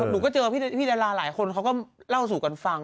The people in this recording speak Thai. หนูก็เจอพี่ดาราหลายคนเขาก็เล่าสู่กันฟัง